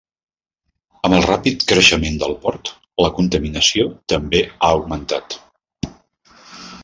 Amb el ràpid creixement del port, la contaminació també ha augmentat.